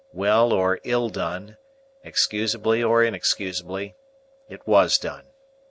Well or ill done, excusably or inexcusably, it was done.